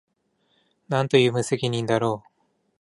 何という無責任だろう